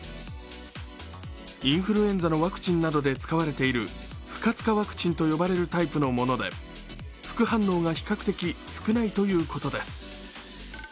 インフルエンザのワクチンなどで使われている不活化ワクチンと呼ばれるタイプのもので副反応が比較的少ないということです。